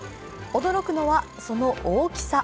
驚くのは、その大きさ。